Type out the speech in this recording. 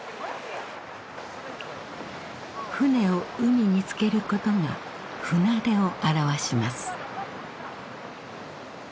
舟を海につけることが船出を表します。